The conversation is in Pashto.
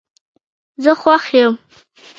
زه خوښ یم